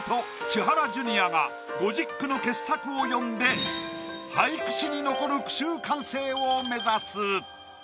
千原ジュニアが５０句の傑作を詠んで俳句史に残る句集完成を目指す。